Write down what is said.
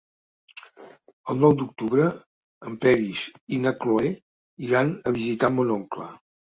El nou d'octubre en Peris i na Cloè iran a visitar mon oncle.